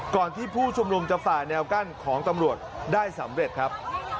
ที่ผู้ชุมนุมจะฝ่าแนวกั้นของตำรวจได้สำเร็จครับ